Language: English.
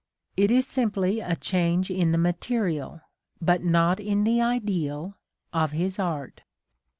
It is simply a change in the material, but not in the ideal, of his art.